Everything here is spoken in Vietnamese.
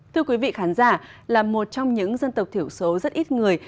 thưa quý vị khán giả là một trong những dân tộc thiểu số rất ít người